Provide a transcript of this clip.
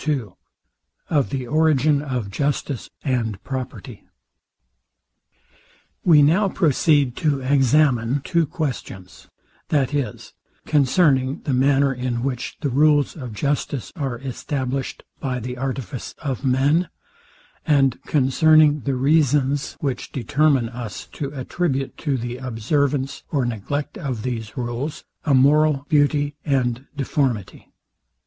II OF THE ORIGIN OF JUSTICE AND PROPERTY We now proceed to examine two questions, viz, CONCERNING THE MANNER, IN WHICH THE RULES OF JUSTICE ARE ESTABLISHED BY THE ARTIFICE OF MEN; and CONCERNING THE REASONS, WHICH DETERMINE US TO ATTRIBUTE TO THE OBSERVANCE OR NEGLECT OF THESE RULES A MORAL BEAUTY AND DEFORMITY.